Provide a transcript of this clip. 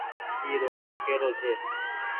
اي رومآل ڪي رو ڇي۔